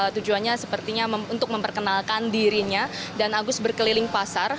tujuannya sepertinya untuk memperkenalkan dirinya dan agus berkeliling pasar